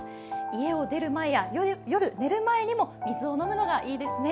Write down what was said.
家を出る前や夜寝る前も水を飲むといいですね。